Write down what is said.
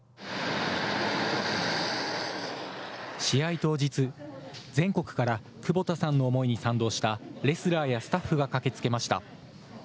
試合当日、全国から久保田さんの思いに賛同したレスラーやスタッフが駆けつけました。